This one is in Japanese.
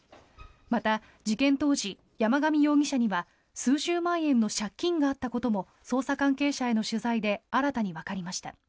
また事件当時、山上容疑者には数十万円の借金があったことも捜査関係者への取材で新たにわかりました。